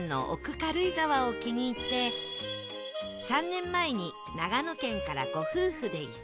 軽井沢を気に入って３年前に長野県からご夫婦で移住